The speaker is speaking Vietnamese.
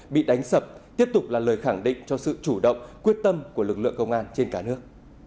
bị đánh sập tiếp tục là lời khẳng định cho sự chủ động quyết tâm của lực lượng công an trên cả nước